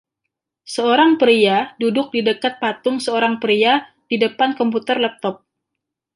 Seorang pria duduk di dekat patung seorang pria di depan komputer laptop.